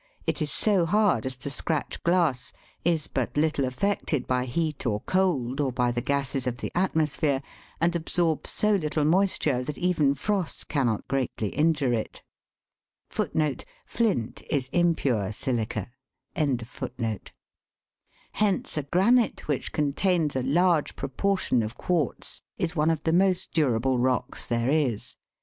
it is so hard as to scratch glass, is but little affected by heat or cold, or by the gases of the atmosphere, and absorbs so little moisture that even frost .cannot greatly injure it. Hence a granite which contains a large proportion of quartz is one of the most durable rocks there is.